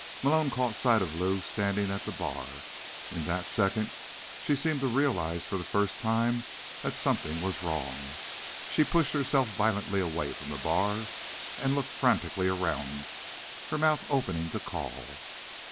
Malone caught sight of Lou, standing at the bar. In that second, she seemed to realize for the first time that something was wrong. She pushed herself violently away from the bar, and looked frantically around, her mouth opening to call.